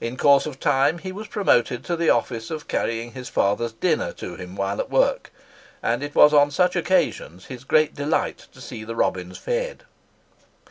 In course of time he was promoted to the office of carrying his father's dinner to him while at work, and it was on such occasions his great delight to see the robins fed.